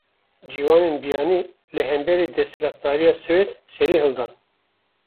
Ciwanên biyanî, li hemberî desthilatdariya Swêd serî hildan